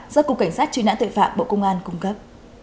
do cục cảnh sát truy nã tội phạm bộ công an cung cấp